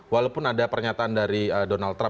walaupun ada pernyataan dari donald trump